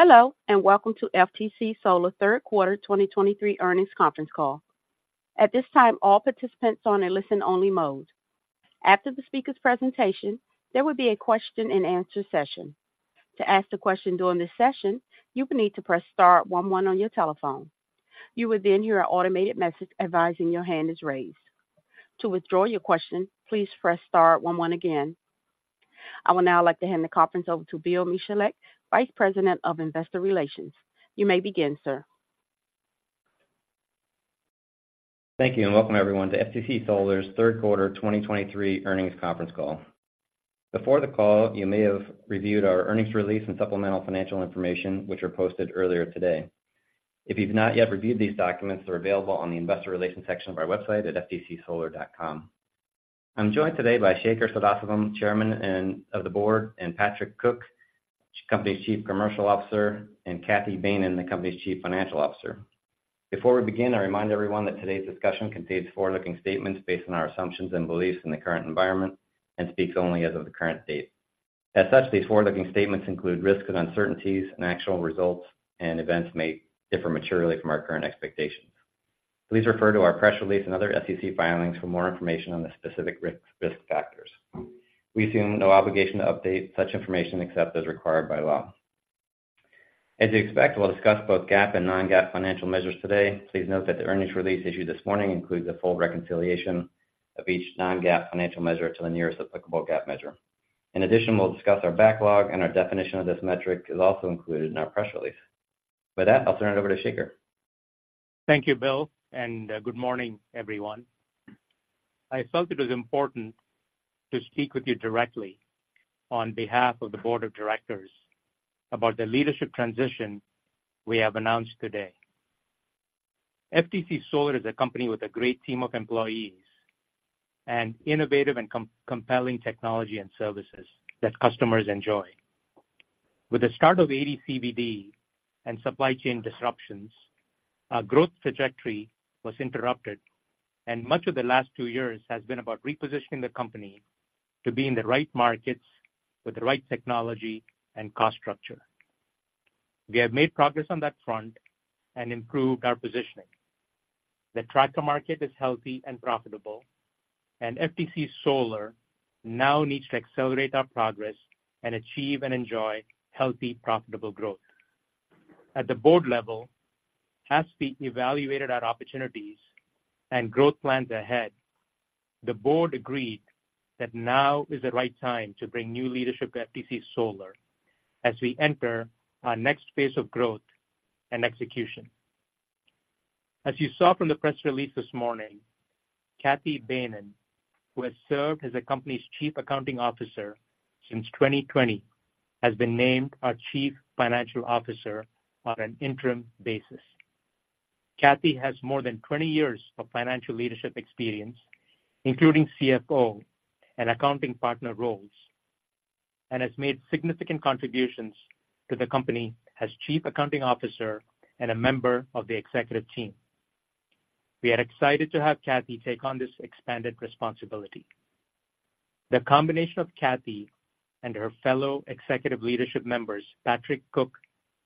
Hello, and welcome to FTC Solar third quarter 2023 earnings conference call. At this time, all participants are on a listen-only mode. After the speaker's presentation, there will be a question-and-answer session. To ask a question during this session, you will need to press star one one on your telephone. You will then hear an automated message advising your hand is raised. To withdraw your question, please press star one one again. I would now like to hand the conference over to Bill Michalek, Vice President of Investor Relations. You may begin, sir. Thank you, and welcome everyone to FTC Solar's third quarter 2023 earnings conference call. Before the call, you may have reviewed our earnings release and supplemental financial information, which were posted earlier today. If you've not yet reviewed these documents, they're available on the investor relations section of our website at ftcsolar.com. I'm joined today by Shaker Sadasivam, Chairman of the Board, and Patrick Cook, company's Chief Commercial Officer, and Cathy Behnen, the company's Chief Financial Officer. Before we begin, I remind everyone that today's discussion contains forward-looking statements based on our assumptions and beliefs in the current environment and speaks only as of the current date. As such, these forward-looking statements include risks and uncertainties, and actual results and events may differ materially from our current expectations. Please refer to our press release and other SEC filings for more information on the specific risk, risk factors. We assume no obligation to update such information except as required by law. As you expect, we'll discuss both GAAP and non-GAAP financial measures today. Please note that the earnings release issued this morning includes a full reconciliation of each non-GAAP financial measure to the nearest applicable GAAP measure. In addition, we'll discuss our backlog, and our definition of this metric is also included in our press release. With that, I'll turn it over to Shaker. Thank you, Bill, and good morning, everyone. I felt it was important to speak with you directly on behalf of the board of directors about the leadership transition we have announced today. FTC Solar is a company with a great team of employees and innovative and compelling technology and services that customers enjoy. With the start of AD/CVD and supply chain disruptions, our growth trajectory was interrupted, and much of the last two years has been about repositioning the company to be in the right markets with the right technology and cost structure. We have made progress on that front and improved our positioning. The tracker market is healthy and profitable, and FTC Solar now needs to accelerate our progress and achieve and enjoy healthy, profitable growth. At the board level, as we evaluated our opportunities and growth plans ahead, the board agreed that now is the right time to bring new leadership to FTC Solar as we enter our next phase of growth and execution. As you saw from the press release this morning, Cathy Behnen, who has served as the company's Chief Accounting Officer since 2020, has been named our Chief Financial Officer on an interim basis. Cathy has more than 20 years of financial leadership experience, including CFO and accounting partner roles, and has made significant contributions to the company as Chief Accounting Officer and a member of the executive team. We are excited to have Cathy take on this expanded responsibility. The combination of Cathy and her fellow executive leadership members, Patrick Cook,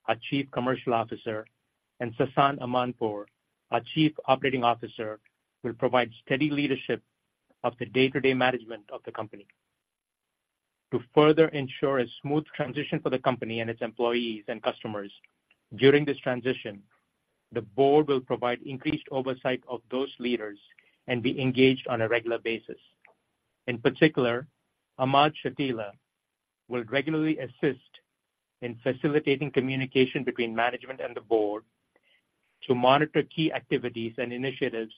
our Chief Commercial Officer, and Sasan Aminpour, our Chief Operating Officer, will provide steady leadership of the day-to-day management of the company. To further ensure a smooth transition for the company and its employees and customers, during this transition, the board will provide increased oversight of those leaders and be engaged on a regular basis. In particular, Ahmad Chatila will regularly assist in facilitating communication between management and the board to monitor key activities and initiatives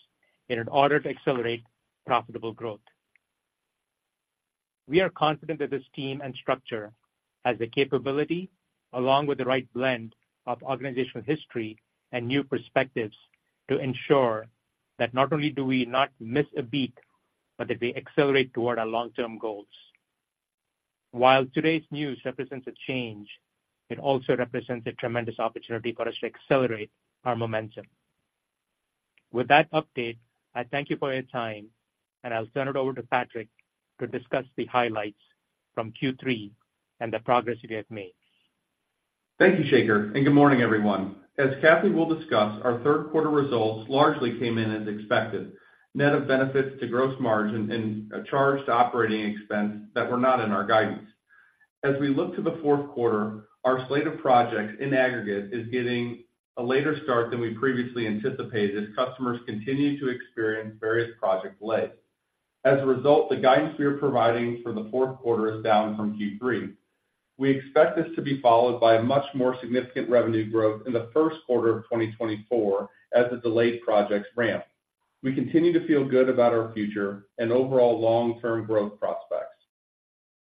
in order to accelerate profitable growth. We are confident that this team and structure has the capability, along with the right blend of organizational history and new perspectives, to ensure that not only do we not miss a beat, but that we accelerate toward our long-term goals. While today's news represents a change, it also represents a tremendous opportunity for us to accelerate our momentum. With that update, I thank you for your time, and I'll turn it over to Patrick to discuss the highlights from Q3 and the progress we have made. Thank you, Shaker, and good morning, everyone. As Cathy will discuss, our third quarter results largely came in as expected, net of benefits to gross margin and a charge to operating expense that were not in our guidance. As we look to the fourth quarter, our slate of projects in aggregate is getting a later start than we previously anticipated as customers continue to experience various project delays. As a result, the guidance we are providing for the fourth quarter is down from Q3. We expect this to be followed by a much more significant revenue growth in the first quarter of 2024 as the delayed projects ramp. We continue to feel good about our future and overall long-term growth prospects.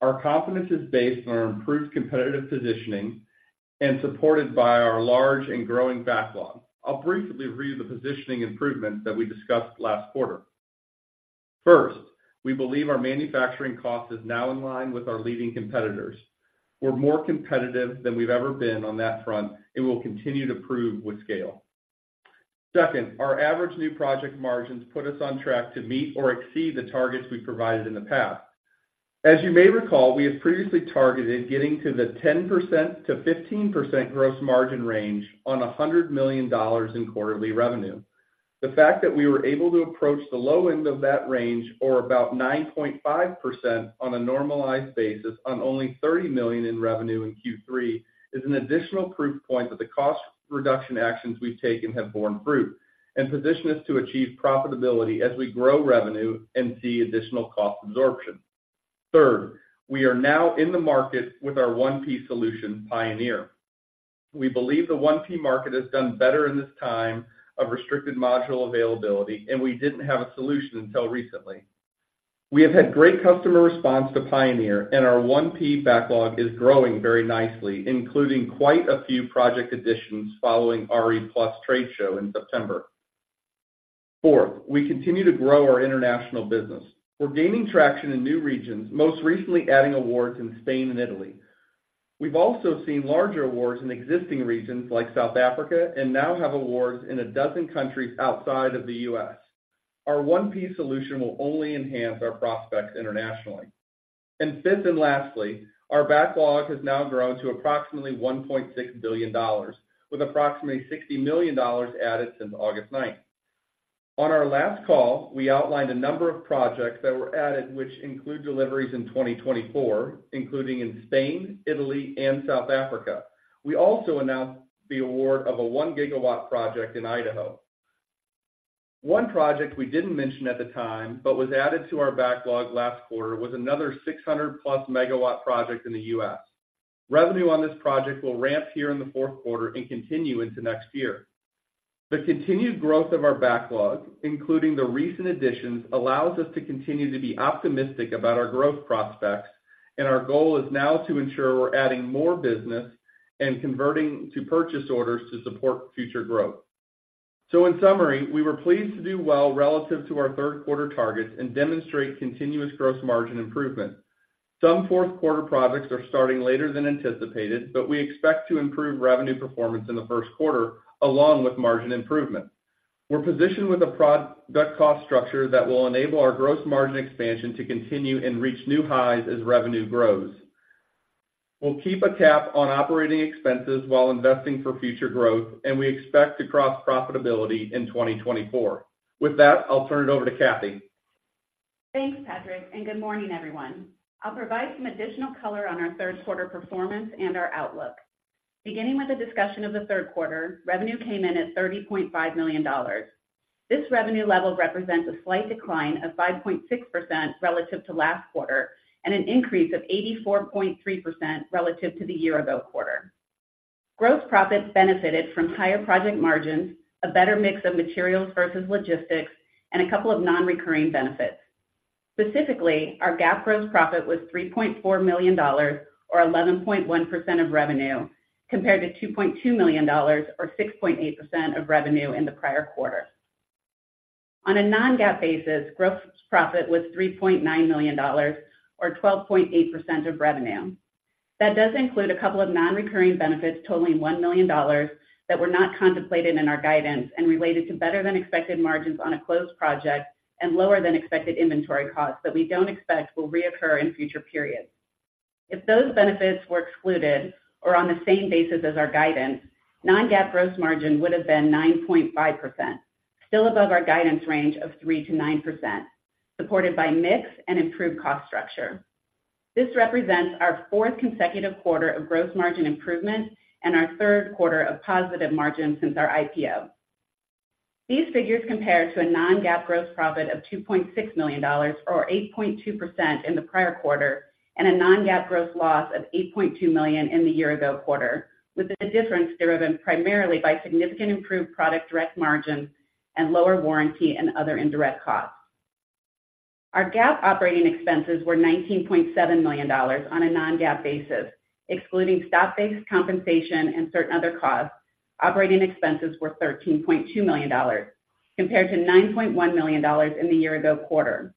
Our confidence is based on our improved competitive positioning and supported by our large and growing backlog. I'll briefly read the positioning improvements that we discussed last quarter. First, we believe our manufacturing cost is now in line with our leading competitors. We're more competitive than we've ever been on that front and will continue to prove with scale. Second, our average new project margins put us on track to meet or exceed the targets we provided in the past. As you may recall, we have previously targeted getting to the 10%-15% gross margin range on $100 million in quarterly revenue. The fact that we were able to approach the low end of that range, or about 9.5% on a normalized basis on only $30 million in revenue in Q3, is an additional proof point that the cost reduction actions we've taken have borne fruit, and position us to achieve profitability as we grow revenue and see additional cost absorption. Third, we are now in the market with our 1P solution, Pioneer. We believe the 1P market has done better in this time of restricted module availability, and we didn't have a solution until recently. We have had great customer response to Pioneer, and our 1P backlog is growing very nicely, including quite a few project additions following our RE+ trade show in September. Fourth, we continue to grow our international business. We're gaining traction in new regions, most recently adding awards in Spain and Italy. We've also seen larger awards in existing regions like South Africa, and now have awards in a dozen countries outside of the U.S. Our 1P solution will only enhance our prospects internationally. And fifth and lastly, our backlog has now grown to approximately $1.6 billion, with approximately $60 million added since August ninth. On our last call, we outlined a number of projects that were added, which include deliveries in 2024, including in Spain, Italy, and South Africa. We also announced the award of a 1-gigawatt project in Idaho. One project we didn't mention at the time, but was added to our backlog last quarter, was another 600+-megawatt project in the U.S. Revenue on this project will ramp here in the fourth quarter and continue into next year. The continued growth of our backlog, including the recent additions, allows us to continue to be optimistic about our growth prospects, and our goal is now to ensure we're adding more business and converting to purchase orders to support future growth. So in summary, we were pleased to do well relative to our third quarter targets and demonstrate continuous gross margin improvement. Some fourth quarter projects are starting later than anticipated, but we expect to improve revenue performance in the first quarter, along with margin improvement. We're positioned with a product cost structure that will enable our gross margin expansion to continue and reach new highs as revenue grows. We'll keep a cap on operating expenses while investing for future growth, and we expect to cross profitability in 2024. With that, I'll turn it over to Cathy. Thanks, Patrick, and good morning, everyone. I'll provide some additional color on our third quarter performance and our outlook. Beginning with a discussion of the third quarter, revenue came in at $30.5 million. This revenue level represents a slight decline of 5.6% relative to last quarter and an increase of 84.3% relative to the year-ago quarter. Gross profits benefited from higher project margins, a better mix of materials versus logistics, and a couple of non-recurring benefits. Specifically, our GAAP gross profit was $3.4 million, or 11.1% of revenue, compared to $2.2 million, or 6.8% of revenue in the prior quarter. On a non-GAAP basis, gross profit was $3.9 million or 12.8% of revenue. That does include a couple of non-recurring benefits totaling $1 million that were not contemplated in our guidance and related to better-than-expected margins on a closed project and lower-than-expected inventory costs that we don't expect will reoccur in future periods. If those benefits were excluded or on the same basis as our guidance, non-GAAP gross margin would have been 9.5%, still above our guidance range of 3%-9%, supported by mix and improved cost structure. This represents our fourth consecutive quarter of gross margin improvement and our third quarter of positive margins since our IPO. These figures compare to a non-GAAP gross profit of $2.6 million, or 8.2% in the prior quarter, and a non-GAAP gross loss of $8.2 million in the year-ago quarter, with the difference driven primarily by significant improved product direct margins and lower warranty and other indirect costs. Our GAAP operating expenses were $19.7 million on a non-GAAP basis, excluding stock-based compensation and certain other costs. Operating expenses were $13.2 million, compared to $9.1 million in the year-ago quarter.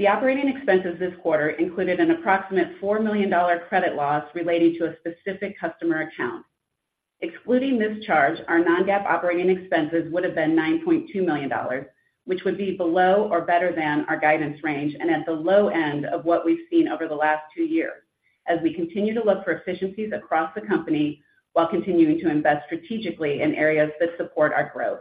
The operating expenses this quarter included an approximate $4 million credit loss related to a specific customer account. Excluding this charge, our non-GAAP operating expenses would have been $9.2 million, which would be below or better than our guidance range and at the low end of what we've seen over the last two years, as we continue to look for efficiencies across the company while continuing to invest strategically in areas that support our growth.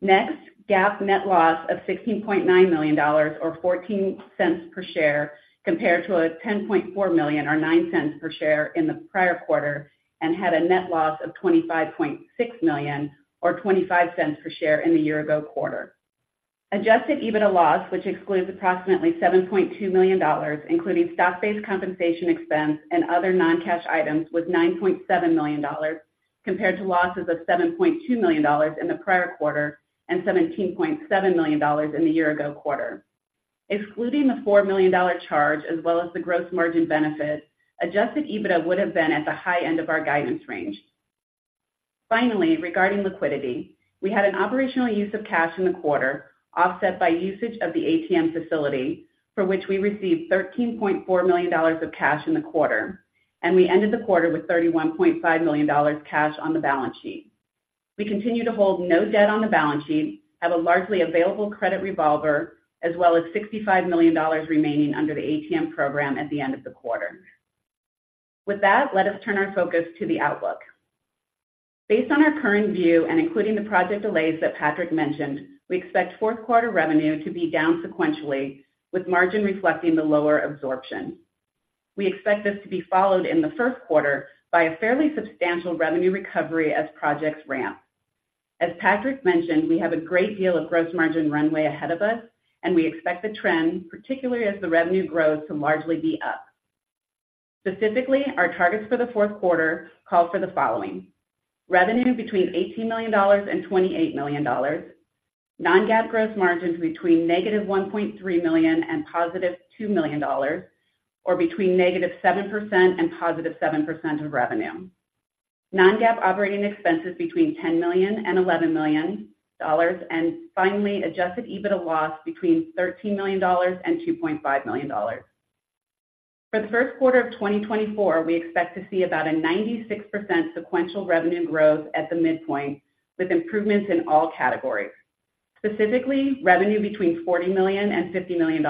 Next, GAAP net loss of $16.9 million, or $0.14 per share, compared to a $10.4 million, or $0.09 per share in the prior quarter, and had a net loss of $25.6 million, or $0.25 per share in the year-ago quarter. Adjusted EBITDA loss, which excludes approximately $70.2 million, including stock-based compensation expense and other non-cash items, was $97 million, compared to losses of $70.2 million in the prior quarter and $17.7 million in the year-ago quarter. Excluding the $4 million charge as well as the gross margin benefit, adjusted EBITDA would have been at the high end of our guidance range. Finally, regarding liquidity, we had an operational use of cash in the quarter, offset by usage of the ATM facility, for which we received $13.4 million of cash in the quarter, and we ended the quarter with $31.5 million cash on the balance sheet. We continue to hold no debt on the balance sheet, have a largely available credit revolver, as well as $65 million remaining under the ATM program at the end of the quarter. With that, let us turn our focus to the outlook. Based on our current view and including the project delays that Patrick mentioned, we expect fourth quarter revenue to be down sequentially, with margin reflecting the lower absorption. We expect this to be followed in the first quarter by a fairly substantial revenue recovery as projects ramp. As Patrick mentioned, we have a great deal of gross margin runway ahead of us, and we expect the trend, particularly as the revenue grows, to largely be up. Specifically, our targets for the fourth quarter call for the following: revenue between $18 million and $28 million, non-GAAP gross margins between -$1.3 million and $2 million, or between -7% and +7% of revenue. Non-GAAP operating expenses between $10 million and $11 million, and finally, adjusted EBITDA loss between $13 million and $2.5 million. For the first quarter of 2024, we expect to see about a 96% sequential revenue growth at the midpoint, with improvements in all categories. Specifically, revenue between $40 million and $50 million,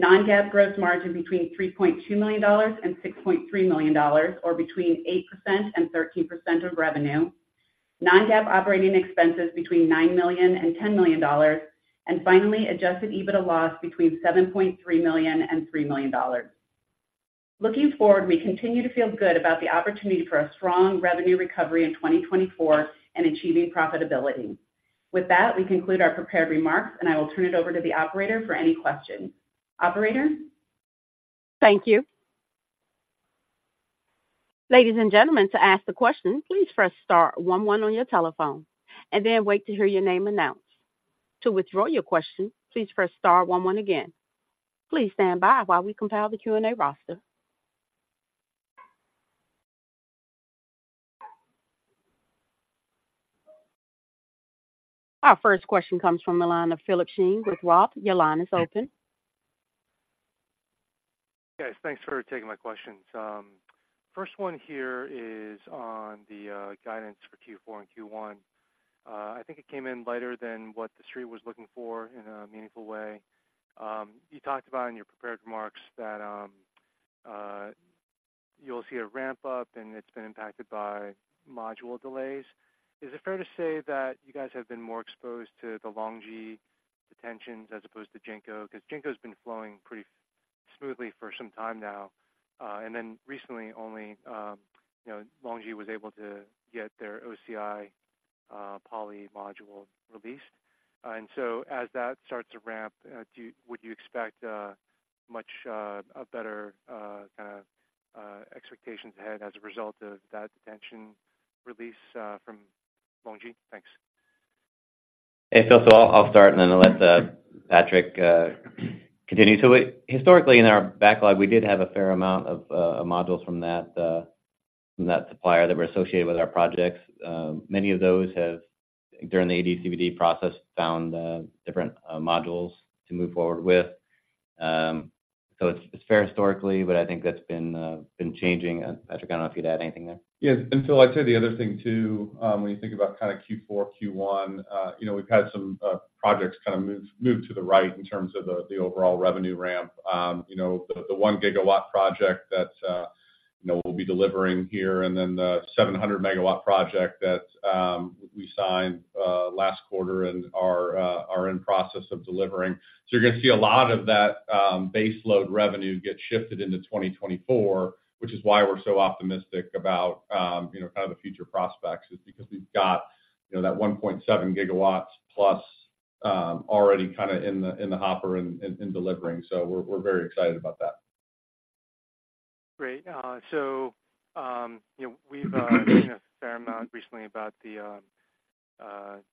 non-GAAP gross margin between $3.2 million and $6.3 million, or between 8% and 13% of revenue. Non-GAAP operating expenses between $9 million and $10 million, and finally, Adjusted EBITDA loss between $7.3 million and $3 million. Looking forward, we continue to feel good about the opportunity for a strong revenue recovery in 2024 and achieving profitability. With that, we conclude our prepared remarks, and I will turn it over to the operator for any questions. Operator? Thank you. Ladies and gentlemen, to ask the question, please press star one one on your telephone and then wait to hear your name announced. To withdraw your question, please press star one one again. Please stand by while we compile the Q&A roster. Our first question comes from the line of Philip Shen with Roth. Your line is open. Guys, thanks for taking my questions. First one here is on the guidance for Q4 and Q1. I think it came in lighter than what the street was looking for in a meaningful way. You talked about in your prepared remarks that you'll see a ramp up and it's been impacted by module delays. Is it fair to say that you guys have been more exposed to the LONGi detentions as opposed to Jinko? Because Jinko's been flowing pretty smoothly for some time now, and then recently only, you know, LONGi was able to get their OCI poly module released. And so as that starts to ramp, would you expect much a better kind of expectations ahead as a result of that detention release from LONGi? Thanks. Hey, Phil. So I'll, I'll start and then let Patrick continue. So we historically, in our backlog, we did have a fair amount of modules from that, from that supplier that were associated with our projects. Many of those have, during the AD/CVD process, found different modules to move forward with. So it's, it's fair historically, but I think that's been changing. And Patrick, I don't know if you'd add anything there. Yes. And so I'd say the other thing, too, when you think about kind of Q4, Q1, you know, we've had some projects kind of move to the right in terms of the overall revenue ramp. You know, the 1 gigawatt project that you know, we'll be delivering here, and then the 700 megawatt project that we signed last quarter and are in process of delivering. So you're going to see a lot of that baseload revenue get shifted into 2024, which is why we're so optimistic about you know, kind of the future prospects, is because we've got you know, that 1.7 gigawatts plus already kinda in the hopper and delivering. So we're very excited about that. Great. So, you know, we've seen a fair amount recently about the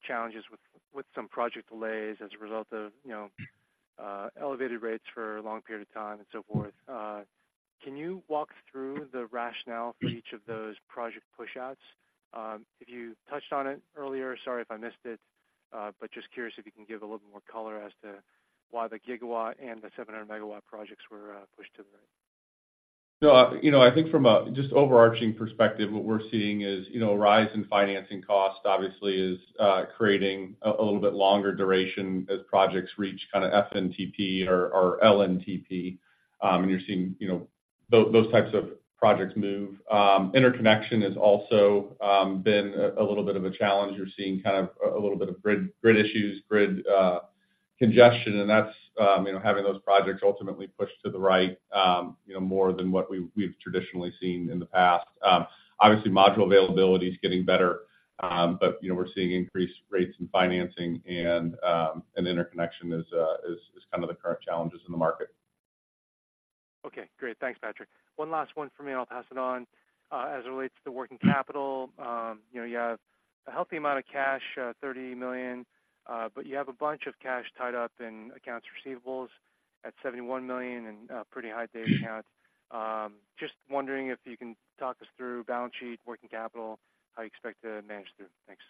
challenges with some project delays as a result of, you know, elevated rates for a long period of time and so forth. Can you walk through the rationale for each of those project push-outs? If you touched on it earlier, sorry if I missed it, but just curious if you can give a little more color as to why the 1-gigawatt and the 700-megawatt projects were pushed to the right. No, you know, I think from a just overarching perspective, what we're seeing is, you know, a rise in financing cost obviously is creating a little bit longer duration as projects reach kind of FNTP or LNTP, and you're seeing, you know, those types of projects move. Interconnection has also been a little bit of a challenge. You're seeing kind of a little bit of grid issues, grid congestion, and that's, you know, having those projects ultimately pushed to the right, you know, more than what we've traditionally seen in the past. Obviously, module availability is getting better, but, you know, we're seeing increased rates in financing and, and interconnection is kind of the current challenges in the market. Okay, great. Thanks, Patrick. One last one for me, I'll pass it on. As it relates to working capital, you know, you have a healthy amount of cash, $30 million, but you have a bunch of cash tied up in accounts receivables at $71 million and pretty high day account. Just wondering if you can talk us through balance sheet, working capital, how you expect to manage through. Thanks....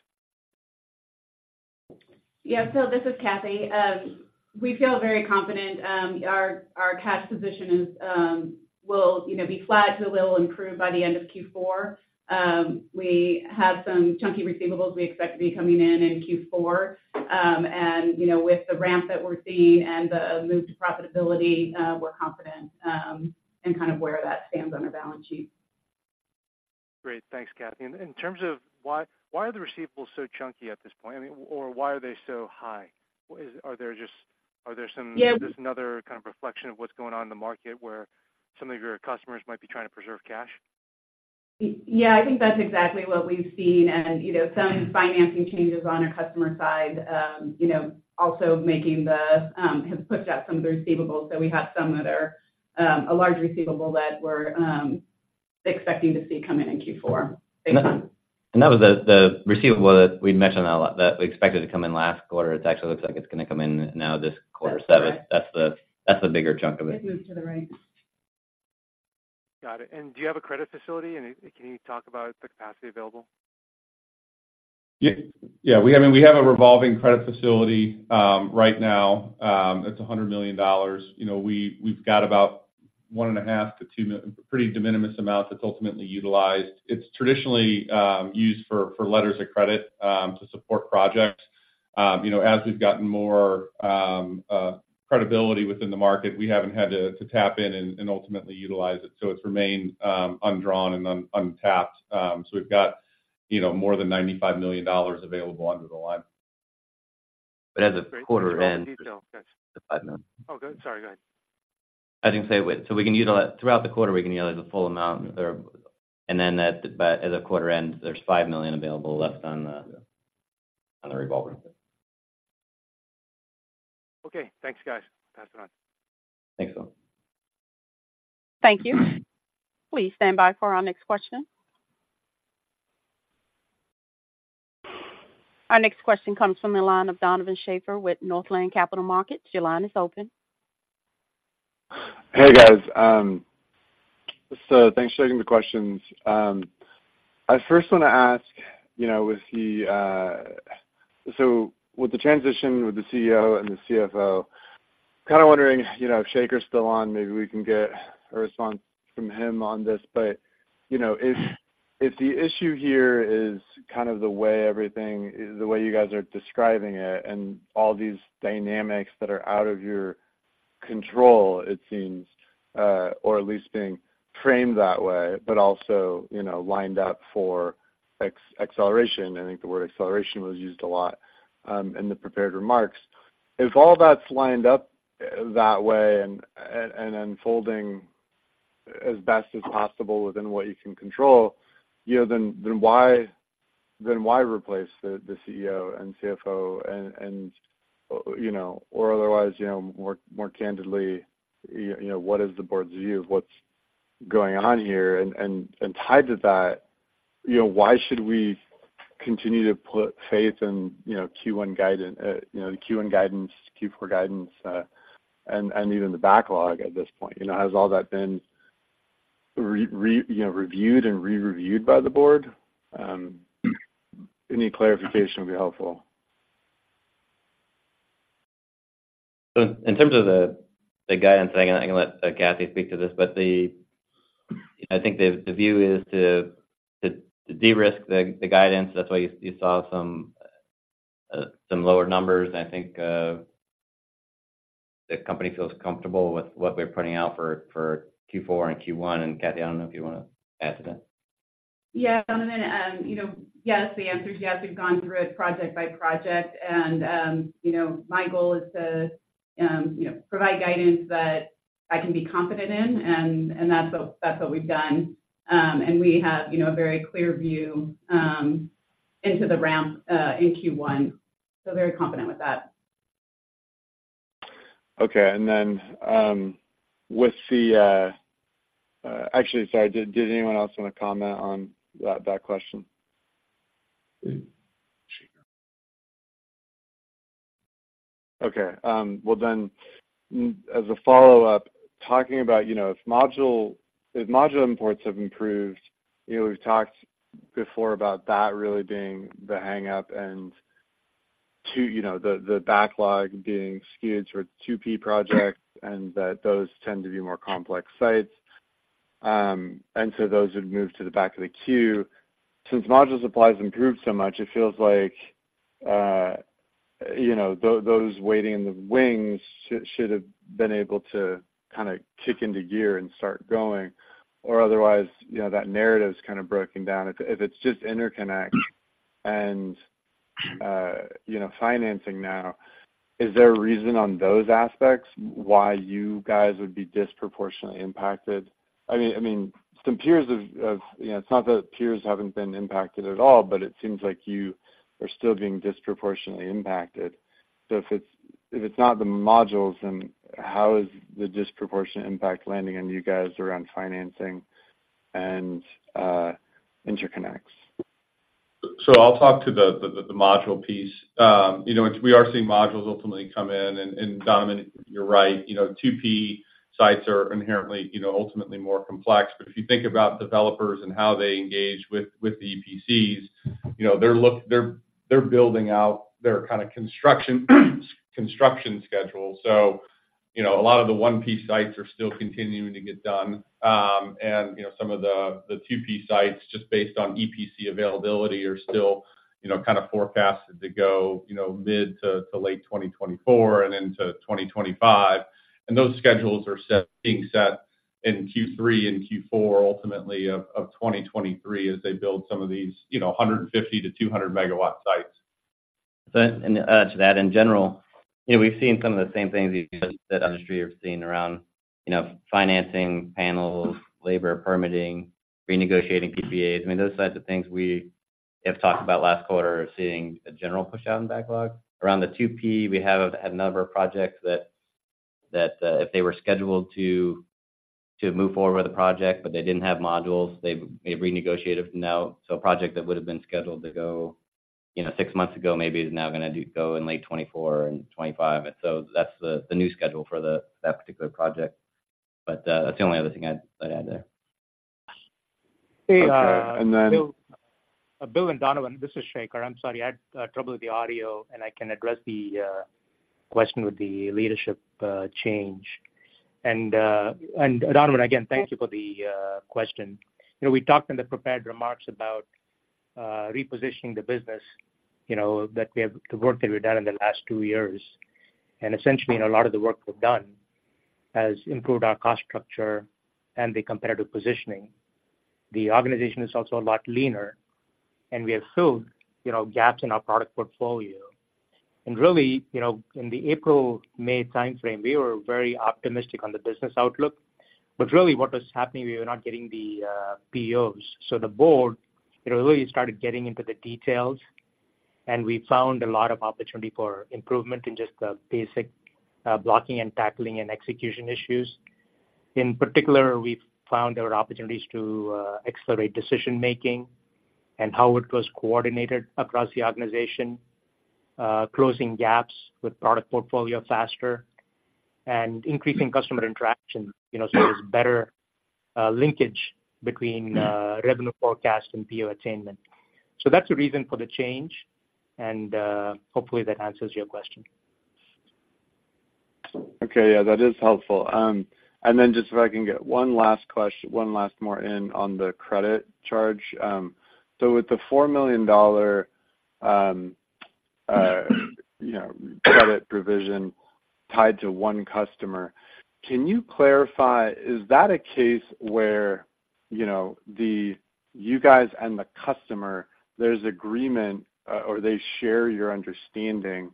Yeah, so this is Cathy. We feel very confident. Our cash position will, you know, be flat to a little improved by the end of Q4. We have some chunky receivables we expect to be coming in in Q4. And, you know, with the ramp that we're seeing and the move to profitability, we're confident in kind of where that stands on our balance sheet. Great. Thanks, Cathy. In terms of why, why are the receivables so chunky at this point? I mean, or why are they so high? Is there just, are there some- Yeah. Is this another kind of reflection of what's going on in the market, where some of your customers might be trying to preserve cash? Yeah, I think that's exactly what we've seen. You know, some financing changes on our customer side, you know, also making the have pushed out some of the receivables. So we have some that are a large receivable that we're expecting to see come in in Q4. That was the receivable that we'd mentioned a lot, that we expected to come in last quarter. It actually looks like it's going to come in now this quarter 7. That's right. That's the, that's the bigger chunk of it. It moved to the right. Got it. Do you have a credit facility? Can you talk about the capacity available? Yeah. Yeah, we have a revolving credit facility. Right now, it's $100 million. You know, we've got about $1.5 million-$2 million pretty de minimis amount that's ultimately utilized. It's traditionally used for letters of credit to support projects. You know, as we've gotten more credibility within the market, we haven't had to tap in and ultimately utilize it, so it's remained undrawn and untapped. So we've got, you know, more than $95 million available under the line. But as a quarter end- Great. Thank you for all the detail, guys. The $5 million. Oh, good. Sorry, go ahead. I was going to say, so we can utilize throughout the quarter, we can utilize the full amount or. And then, but at the quarter end, there's $5 million available left on the, on the revolving. Okay, thanks, guys. Pass it on. Thanks, all. Thank you. Please stand by for our next question. Our next question comes from the line of Donovan Schaefer with Northland Capital Markets. Your line is open. Hey, guys. So thanks for taking the questions. I first want to ask, you know, with the, so with the transition with the CEO and the CFO, kind of wondering, you know, if Shaker's still on, maybe we can get a response from him on this. But, you know, if, if the issue here is kind of the way everything, the way you guys are describing it and all these dynamics that are out of your control, it seems, or at least being framed that way, but also, you know, lined up for ex- acceleration. I think the word acceleration was used a lot, in the prepared remarks. If all that's lined up that way and, and, and unfolding as best as possible within what you can control, you know, then, then why, then why replace the, the CEO and CFO? You know, or otherwise, you know, more candidly, you know, what is the board's view of what's going on here? And tied to that, you know, why should we continue to put faith in, you know, Q1 guidance, you know, the Q1 guidance, Q4 guidance, and even the backlog at this point? You know, has all that been reviewed and re-reviewed by the board? Any clarification would be helpful. So in terms of the guidance, I'm going to let Cathy speak to this. But I think the view is to de-risk the guidance. That's why you saw some lower numbers. I think the company feels comfortable with what we're putting out for Q4 and Q1. And, Cathy, I don't know if you want to add to that. Yeah, Donovan. You know, yes, the answer is yes. We've gone through it project by project, and you know, my goal is to you know, provide guidance that I can be confident in, and and that's what, that's what we've done. We have you know, a very clear view into the ramp in Q1, so very confident with that. Okay. And then... Actually, sorry, did anyone else want to comment on that question? Okay, well, then, as a follow-up, talking about, you know, if module imports have improved, you know, we've talked before about that really being the hang-up and, you know, the backlog being skewed towards 2P projects, and that those tend to be more complex sites. And so those would move to the back of the queue. Since module supply has improved so much, it feels like, you know, those waiting in the wings should have been able to kind of kick into gear and start going. Or otherwise, you know, that narrative is kind of broken down. If, if it's just interconnect and, you know, financing now, is there a reason on those aspects why you guys would be disproportionately impacted? I mean, I mean, some peers of, of-- you know, it's not that peers haven't been impacted at all, but it seems like you are still being disproportionately impacted. So if it's, if it's not the modules, then how is the disproportionate impact landing on you guys around financing and, interconnects? So I'll talk to the module piece. You know, we are seeing modules ultimately come in, and Donovan, you're right. You know, 2P sites are inherently, you know, ultimately more complex. But if you think about developers and how they engage with the EPCs, you know, they're building out their kind of construction schedule. So,... you know, a lot of the 1P sites are still continuing to get done. And, you know, some of the, the 2P sites, just based on EPC availability, are still, you know, kind of forecasted to go, you know, mid- to late 2024 and into 2025. And those schedules are being set in Q3 and Q4, ultimately, of 2023 as they build some of these, you know, 150- to 200-megawatt sites. To add to that, in general, you know, we've seen some of the same things you've just said, industry have seen around, you know, financing, panels, labor, permitting, renegotiating PPAs. I mean, those types of things we have talked about last quarter are seeing a general pushout in backlog. Around the 2P, we have a number of projects that if they were scheduled to move forward with the project but they didn't have modules, they've renegotiated from now. So a project that would've been scheduled to go, you know, six months ago, maybe is now gonna go in late 2024 and 2025. And so that's the new schedule for that particular project, but that's the only other thing I'd add there. Okay, and then- Bill and Donovan, this is Shaker. I'm sorry, I had trouble with the audio, and I can address the question with the leadership change. And Donovan, again, thank you for the question. You know, we talked in the prepared remarks about repositioning the business, you know, that we have. The work that we've done in the last two years. And essentially, a lot of the work we've done has improved our cost structure and the competitive positioning. The organization is also a lot leaner, and we have filled, you know, gaps in our product portfolio. And really, you know, in the April-May timeframe, we were very optimistic on the business outlook. But really, what was happening, we were not getting the POs. So the board, it really started getting into the details, and we found a lot of opportunity for improvement in just the basic, blocking and tackling and execution issues. In particular, we found there were opportunities to accelerate decision-making and how it was coordinated across the organization, closing gaps with product portfolio faster, and increasing customer interaction, you know, so there's better linkage between revenue forecast and PO attainment. So that's the reason for the change, and hopefully, that answers your question. Okay, yeah, that is helpful. And then just if I can get one last question on the credit charge. So with the $4 million credit provision tied to one customer, can you clarify, is that a case where, you know, you guys and the customer, there's agreement, or they share your understanding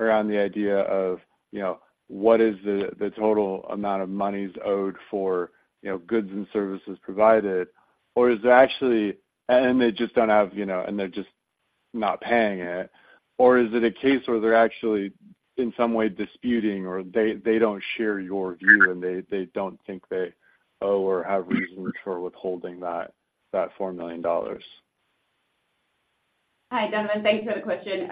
around the idea of, you know, what is the total amount of monies owed for, you know, goods and services provided? Or is it actually and they just don't have, you know, and they're just not paying it, or is it a case where they're actually, in some way, disputing or they don't share your view, and they don't think they owe or have reasons for withholding that $4 million? Hi, Donovan. Thanks for the question.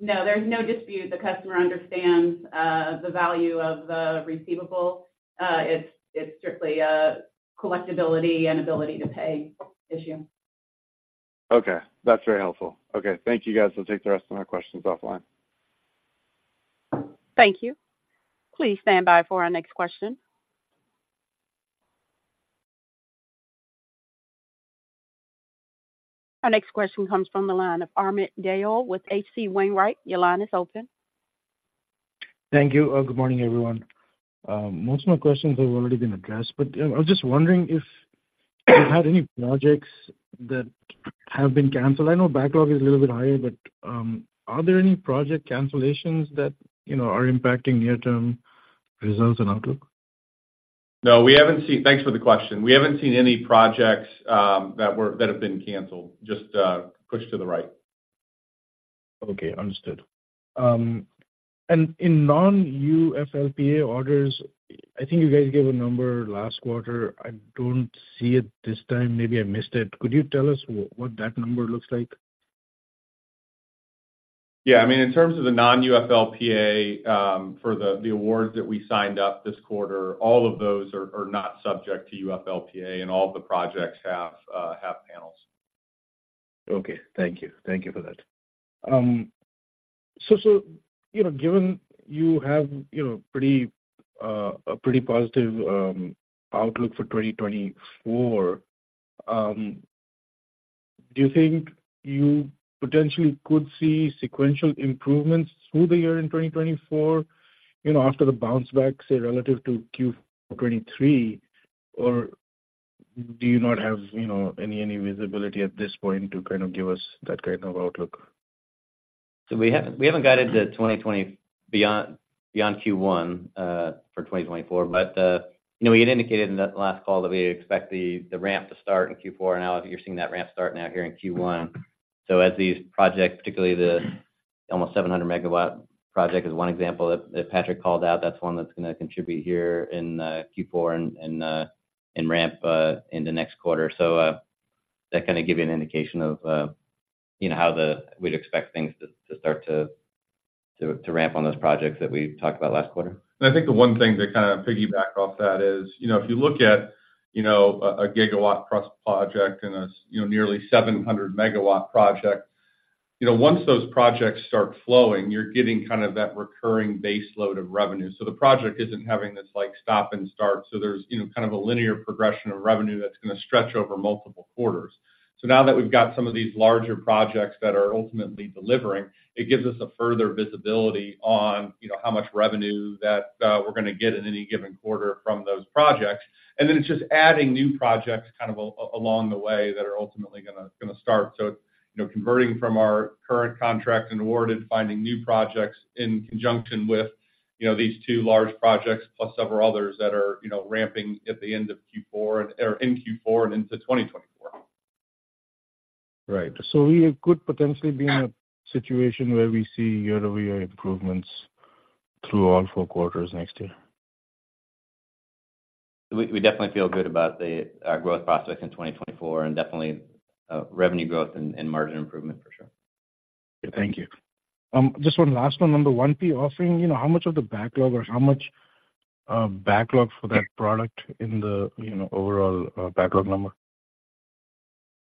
No, there's no dispute. The customer understands the value of the receivable. It's strictly a collectibility and ability to pay issue. Okay, that's very helpful. Okay, thank you, guys. I'll take the rest of my questions offline. Thank you. Please stand by for our next question. Our next question comes from the line of Amit Dayal with H.C. Wainwright. Your line is open. Thank you, good morning, everyone. Most of my questions have already been addressed, but, I was just wondering if you had any projects that have been canceled. I know backlog is a little bit higher, but, are there any project cancellations that, you know, are impacting near-term results and outlook? No, we haven't seen... Thanks for the question. We haven't seen any projects that have been canceled, just pushed to the right. Okay, understood. And in non-UFLPA orders, I think you guys gave a number last quarter. I don't see it this time. Maybe I missed it. Could you tell us what that number looks like? Yeah, I mean, in terms of the non-UFLPA, for the awards that we signed up this quarter, all of those are not subject to UFLPA, and all the projects have panels. Okay. Thank you. Thank you for that. So, so, you know, given you have, you know, pretty, a pretty positive, outlook for 2024, do you think you potentially could see sequential improvements through the year in 2024, you know, after the bounce back, say, relative to Q 2023? Or do you not have, you know, any, any visibility at this point to kind of give us that kind of outlook? So we haven't guided 2024 beyond Q1 for 2024. But you know, we had indicated in that last call that we expect the ramp to start in Q4. Now, you're seeing that ramp start now here in Q1. So as these projects, particularly the almost 700-MW project, is one example that Patrick called out, that's one that's gonna contribute here in Q4 and ramp in the next quarter. So that kind of give you an indication of, you know, how we'd expect things to start to ramp on those projects that we talked about last quarter. I think the one thing to kind of piggyback off that is, you know, if you look at, you know, a 1-gigawatt+ project and you know, nearly 700-megawatt project-... You know, once those projects start flowing, you're getting kind of that recurring base load of revenue. So the project isn't having this, like, stop and start. So there's, you know, kind of a linear progression of revenue that's gonna stretch over multiple quarters. So now that we've got some of these larger projects that are ultimately delivering, it gives us a further visibility on, you know, how much revenue that we're gonna get in any given quarter from those projects. And then it's just adding new projects kind of along the way that are ultimately gonna start. So, you know, converting from our current contract and awarded, finding new projects in conjunction with, you know, these two large projects, plus several others that are, you know, ramping at the end of Q4 or in Q4 and into 2024. Right. So we could potentially be in a situation where we see year-over-year improvements through all four quarters next year? We definitely feel good about our growth prospects in 2024, and definitely revenue growth and margin improvement, for sure. Thank you. Just one last one on the 1P offering. You know, how much of the backlog or how much backlog for that product in the, you know, overall backlog number?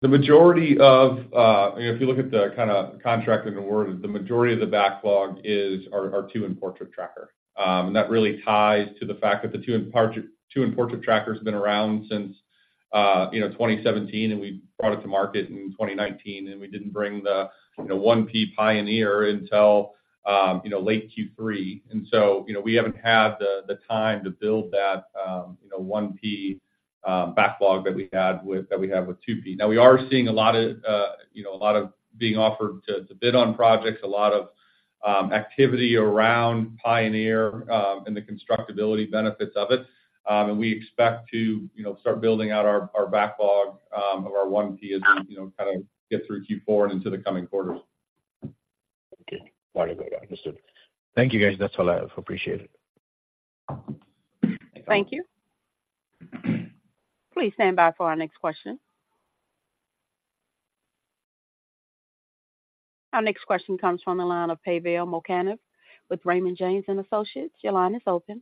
The majority of, if you look at the kinda contract and award, the majority of the backlog is, are, are two in portrait tracker. And that really ties to the fact that the two in portrait-- two in portrait tracker has been around since, you know, 2017, and we brought it to market in 2019, and we didn't bring the, you know, 1P Pioneer until, you know, late Q3. And so, you know, we haven't had the, the time to build that, you know, 1P, backlog that we had with- that we have with 2P. Now, we are seeing a lot of, you know, a lot of being offered to, to bid on projects, a lot of, activity around Pioneer, and the constructability benefits of it. And we expect to, you know, start building out our backlog of our 1P as we, you know, kind of get through Q4 and into the coming quarters. Okay. Understood. Thank you, guys. That's all I have. Appreciate it. Thank you. Please stand by for our next question. Our next question comes from the line of Pavel Molchanov with Raymond James & Associates. Your line is open.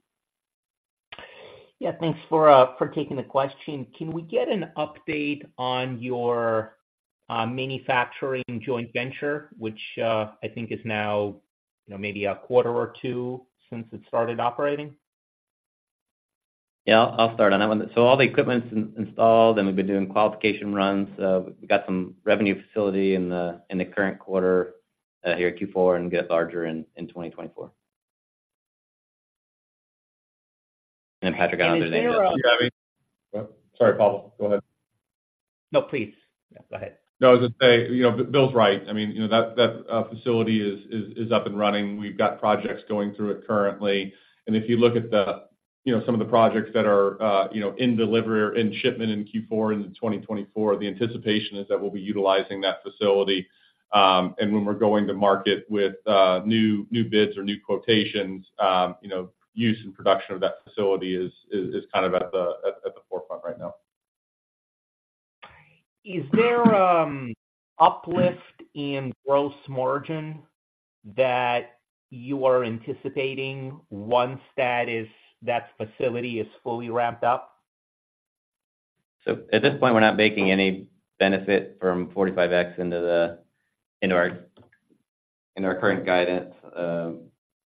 Yeah, thanks for taking the question. Can we get an update on your manufacturing joint venture, which I think is now, you know, maybe a quarter or two since it started operating? Yeah, I'll start on that one. So all the equipment's installed, and we've been doing qualification runs. We got some revenue facility in the, in the current quarter, here at Q4, and get larger in 2024. And Patrick, I know your name is- Sorry, Pavel, go ahead. No, please. Yeah, go ahead. No, I was gonna say, you know, Bill's right. I mean, you know, that facility is up and running. We've got projects going through it currently. And if you look at, you know, some of the projects that are, you know, in delivery, in shipment in Q4 in 2024, the anticipation is that we'll be utilizing that facility. And when we're going to market with new bids or new quotations, you know, use and production of that facility is kind of at the forefront right now. Is there uplift in gross margin that you are anticipating once that facility is fully ramped up? So at this point, we're not making any benefit from 45X into the, into our, into our current guidance.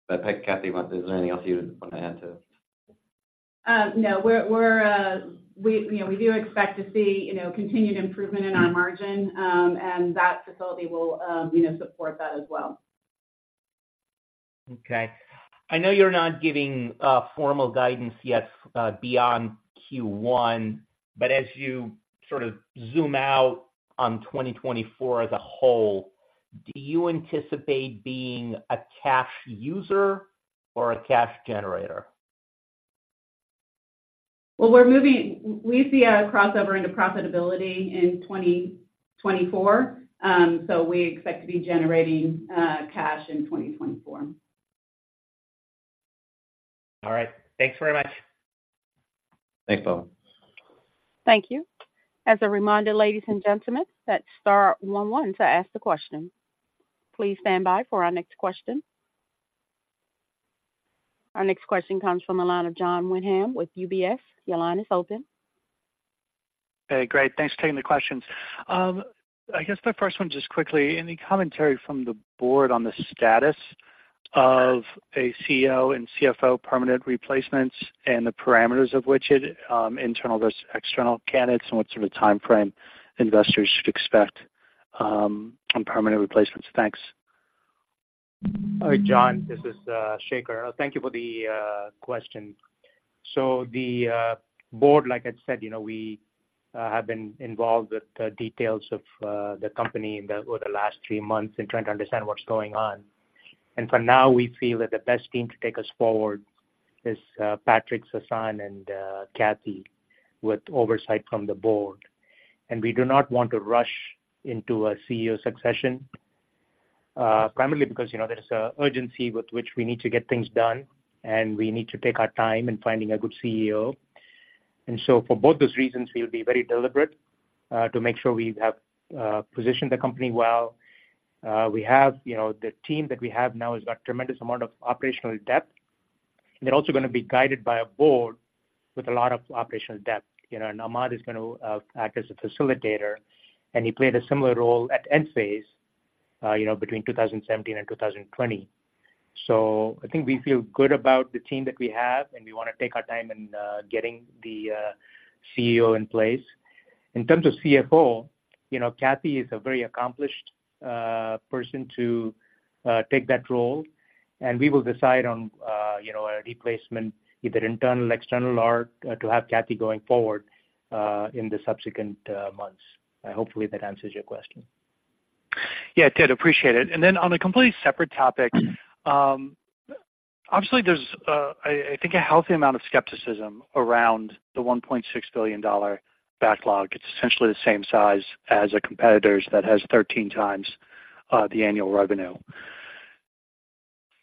But Cathy, is there anything else you want to add to? No. You know, we do expect to see, you know, continued improvement in our margin, and that facility will, you know, support that as well. Okay. I know you're not giving formal guidance yet, beyond Q1, but as you sort of zoom out on 2024 as a whole, do you anticipate being a cash user or a cash generator? Well, we're moving, we see a crossover into profitability in 2024. So we expect to be generating cash in 2024. All right. Thanks very much. Thanks, Pavel. Thank you. As a reminder, ladies and gentlemen, that's star one one to ask the question. Please stand by for our next question. Our next question comes from the line of Jon Windham with UBS. Your line is open. Hey, great. Thanks for taking the questions. I guess the first one, just quickly, any commentary from the board on the status of a CEO and CFO permanent replacements and the parameters of which internal versus external candidates, and what sort of timeframe investors should expect on permanent replacements? Thanks. All right, John, this is Shaker. Thank you for the question. So the board, like I said, you know, we have been involved with the details of the company over the last three months and trying to understand what's going on. And for now, we feel that the best team to take us forward is Patrick, Sasan, and Cathy, with oversight from the board. And we do not want to rush into a CEO succession, primarily because, you know, there's a urgency with which we need to get things done, and we need to take our time in finding a good CEO. And so for both those reasons, we'll be very deliberate to make sure we have positioned the company well. We have, you know, the team that we have now has got a tremendous amount of operational depth. They're also going to be guided by a board with a lot of operational depth. You know, and Ahmad is going to act as a facilitator, and he played a similar role at Enphase, you know, between 2017 and 2020. So I think we feel good about the team that we have, and we want to take our time in getting the CEO in place. In terms of CFO, you know, Cathy is a very accomplished person to take that role, and we will decide on, you know, a replacement, either internal, external, or to have Cathy going forward in the subsequent months. Hopefully, that answers your question. Yeah, it did. Appreciate it. And then on a completely separate topic, obviously there's, I, I think a healthy amount of skepticism around the $1.6 billion backlog. It's essentially the same size as a competitor's that has 13 times, the annual revenue.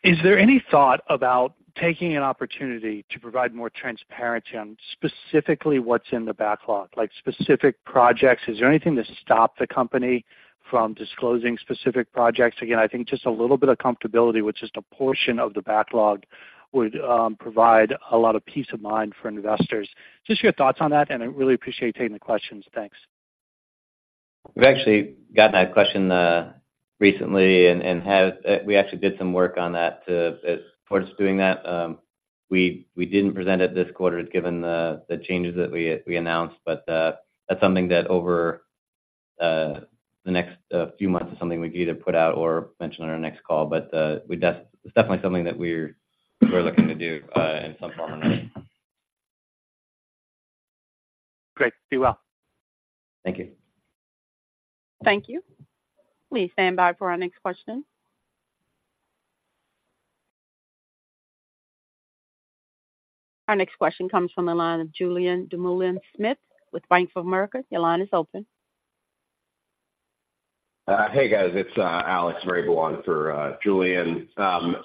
Is there any thought about taking an opportunity to provide more transparency on specifically what's in the backlog, like specific projects? Is there anything to stop the company from disclosing specific projects? Again, I think just a little bit of comfortability with just a portion of the backlog would provide a lot of peace of mind for investors. Just your thoughts on that, and I really appreciate you taking the questions. Thanks. We've actually gotten that question recently, and we actually did some work on that towards doing that. We didn't present it this quarter, given the changes that we announced, but that's something that over the next few months is something we can either put out or mention on our next call. But it's definitely something that we're looking to do in some form or another. Great. Be well. Thank you. Thank you. Please stand by for our next question. Our next question comes from the line of Julian Dumoulin-Smith with Bank of America. Your line is open. Hey, guys, it's Alex Vrabel for Julian.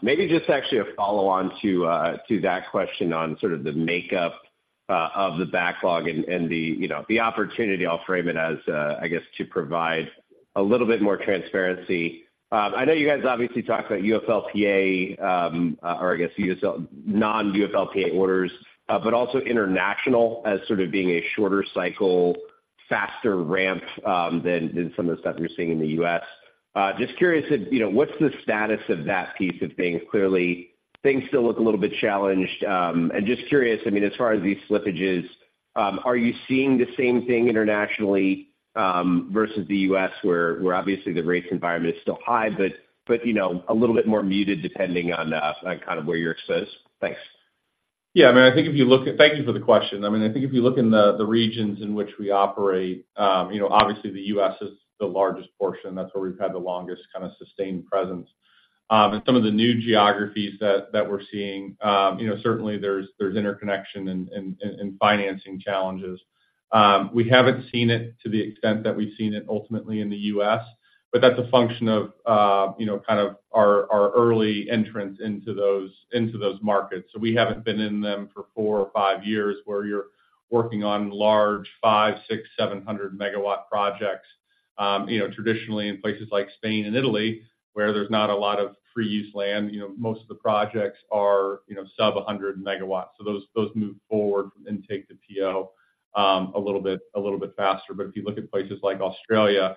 Maybe just actually a follow-on to that question on sort of the makeup of the backlog and the opportunity I'll frame it as, I guess, to provide a little bit more transparency. I know you guys obviously talked about UFLPA, or I guess, U.S., non-UFLPA orders, but also international as sort of being a shorter cycle, faster ramp than some of the stuff we're seeing in the U.S. Just curious, you know, what's the status of that piece of things? Clearly, things still look a little bit challenged. And just curious, I mean, as far as these slippages, are you seeing the same thing internationally, versus the U.S., where obviously the rates environment is still high, but you know, a little bit more muted depending on kind of where you're exposed? Thanks. Yeah, I mean, I think if you look at... Thank you for the question. I mean, I think if you look in the regions in which we operate, you know, obviously the U.S. is the largest portion. That's where we've had the longest kind of sustained presence. And some of the new geographies that we're seeing, you know, certainly there's interconnection and financing challenges. We haven't seen it to the extent that we've seen it ultimately in the U.S., but that's a function of, you know, kind of our early entrance into those markets. So we haven't been in them for four or five years, where you're working on large 500, 600, 700 MW projects. You know, traditionally in places like Spain and Italy, where there's not a lot of free use land, you know, most of the projects are, you know, sub-100 MW. So those move forward and take the PO a little bit, a little bit faster. But if you look at places like Australia,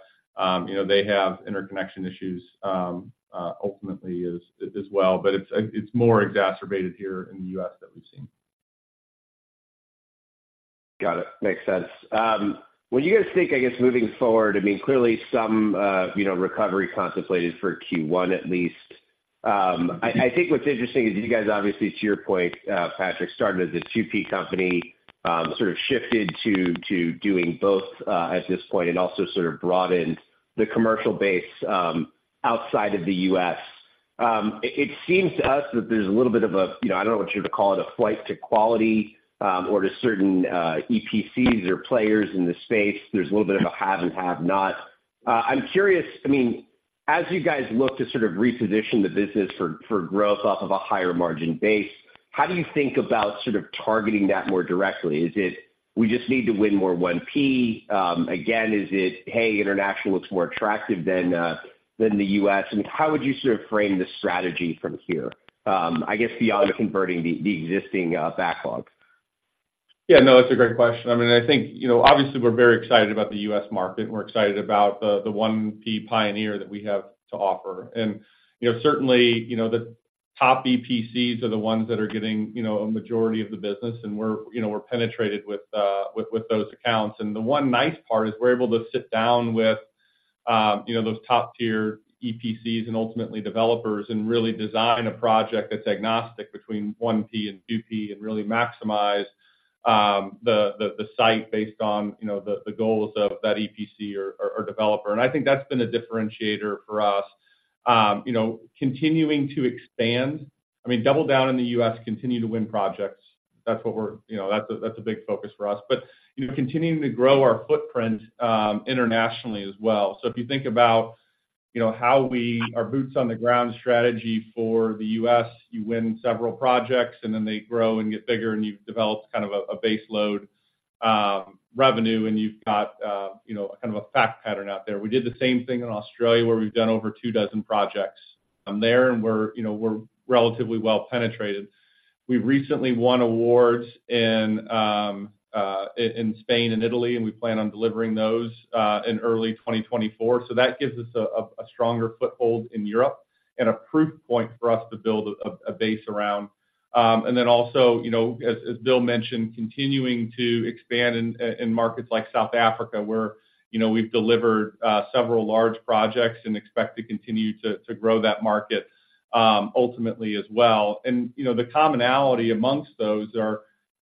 you know, they have interconnection issues ultimately as well, but it's more exacerbated here in the U.S. than we've seen. Got it. Makes sense. When you guys think, I guess, moving forward, I mean, clearly some, you know, recovery contemplated for Q1 at least. I think what's interesting is you guys, obviously, to your point, Patrick, started as a 1P company, sort of shifted to doing both, at this point and also sort of broadened the commercial base, outside of the U.S. It seems to us that there's a little bit of a, you know, I don't know what you'd call it, a flight to quality, or to certain EPCs or players in the space. There's a little bit of a have and have not. I'm curious, I mean, as you guys look to sort of reposition the business for growth off of a higher margin base, how do you think about sort of targeting that more directly? Is it, we just need to win more 1P? Again, is it, hey, international looks more attractive than the U.S.? I mean, how would you sort of frame the strategy from here, I guess, beyond converting the existing backlog? Yeah, no, that's a great question. I mean, I think, you know, obviously, we're very excited about the U.S. market. We're excited about the, the 1P Pioneer that we have to offer. And, you know, certainly, you know, the top EPCs are the ones that are getting, you know, a majority of the business, and we're, you know, we're penetrated with, with, with those accounts. And the one nice part is we're able to sit down with, you know, those top-tier EPCs and ultimately developers and really design a project that's agnostic between 1P and 2P and really maximize, the, the, the site based on, you know, the, the goals of that EPC or, or, or developer. And I think that's been a differentiator for us. You know, continuing to expand, I mean, double down in the U.S., continue to win projects. That's what we're, you know, that's a, that's a big focus for us. But, you know, continuing to grow our footprint internationally as well. So if you think about, you know, how we—our boots on the ground strategy for the U.S., you win several projects, and then they grow and get bigger, and you've developed kind of a, a base load revenue, and you've got, you know, kind of a fact pattern out there. We did the same thing in Australia, where we've done over two dozen projects there, and we're, you know, we're relatively well penetrated. We recently won awards in Spain and Italy, and we plan on delivering those in early 2024. So that gives us a, a stronger foothold in Europe and a proof point for us to build a, a base around. And then also, you know, as Bill mentioned, continuing to expand in markets like South Africa, where, you know, we've delivered several large projects and expect to continue to grow that market, ultimately as well. And, you know, the commonality amongst those are,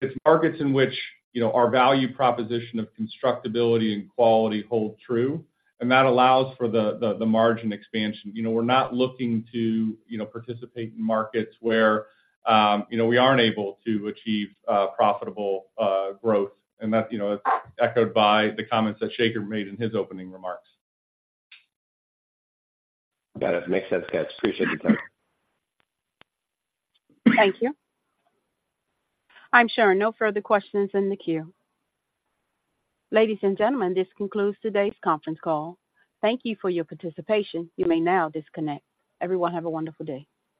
it's markets in which, you know, our value proposition of constructability and quality hold true, and that allows for the margin expansion. You know, we're not looking to, you know, participate in markets where, you know, we aren't able to achieve profitable growth. And that, you know, is echoed by the comments that Shaker made in his opening remarks. Got it. Makes sense, guys. Appreciate the time. Thank you. I'm showing no further questions in the queue. Ladies and gentlemen, this concludes today's conference call. Thank you for your participation. You may now disconnect. Everyone, have a wonderful day.